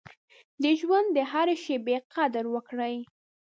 د ژوند د هرې شېبې قدر وکړئ.